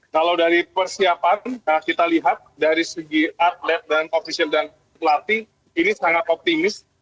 kalau dari persiapan kita lihat dari segi atlet dan ofisial dan pelatih ini sangat optimis